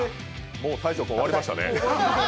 もう大昇君、終わりましたね